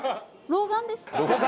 老眼です。